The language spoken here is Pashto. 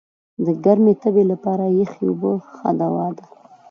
د ګرمي تبي لپاره یخي اوبه ښه دوا ده.